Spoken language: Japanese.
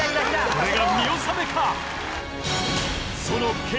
これが見納めか？